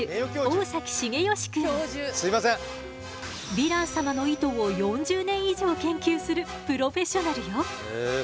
ヴィラン様の糸を４０年以上研究するプロフェッショナルよ。